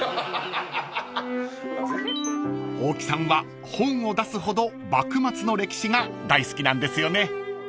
［大木さんは本を出すほど幕末の歴史が大好きなんですよね］